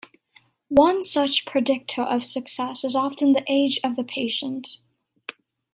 One such predictor of success is often the age of the patient.